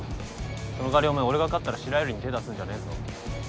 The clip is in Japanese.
その代わりお前俺が勝ったら白百合に手ぇ出すんじゃねえぞ。